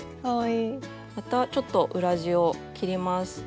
またちょっと裏地を切ります。